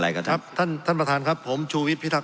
อะไรก็ครับครับท่านท่านประธานครับผมชูวิตพิธัก